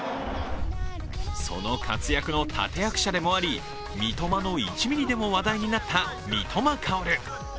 その活躍の立て役者でもあり、三笘の１ミリでも話題になった三笘薫。